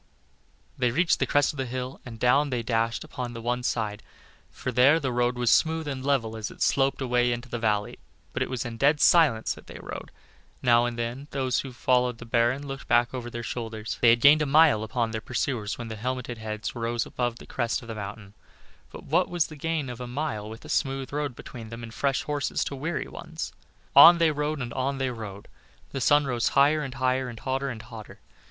They reached the crest of the hill, and down they dashed upon the other side; for there the road was smooth and level as it sloped away into the valley, but it was in dead silence that they rode. Now and then those who followed the Baron looked back over their shoulders. They had gained a mile upon their pursuers when the helmeted heads rose above the crest of the mountain, but what was the gain of a mile with a smooth road between them, and fresh horses to weary ones? On they rode and on they rode. The sun rose higher and higher, and hotter and hotter.